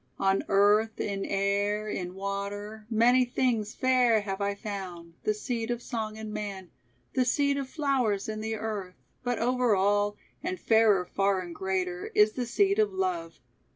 On earth, in air, in water, many things Fair have I found, the seed of song in man, The seed of flowers in the earth, but over all, And fairer far and greater, is the seed Of love.